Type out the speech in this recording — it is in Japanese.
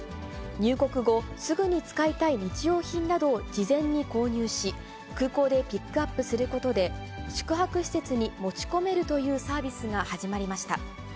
入国後、すぐに使いたい日用品などを事前に購入し、空港でピックアップすることで、宿泊施設に持ち込めるというサービスが始まりました。